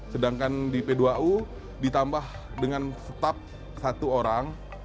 sedangkan di p dua u ditambah dengan staf satu orang